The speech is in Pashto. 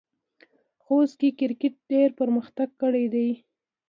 خوست کې کرکټ ډېر پرمختګ کړی دی.